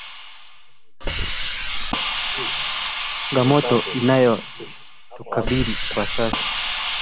ngamoto inayo tukabili kwa sasa